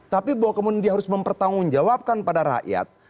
tapi bahwa kemudian dia harus mempertanggungjawabkan pada rakyat